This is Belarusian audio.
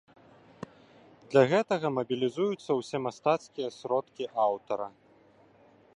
Для гэтага мабілізуюцца ўсе мастацкія сродкі аўтара.